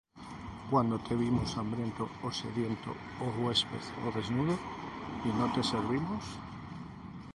¿cuándo te vimos hambriento, ó sediento, ó huésped, ó desnudo, y no te servimos?